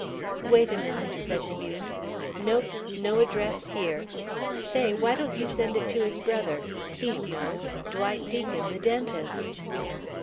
"Wait a minute," said the youth. "Nope. No address here. Say, why don't you send it to his brother? He'd know. Dwight Deacon, the dentist."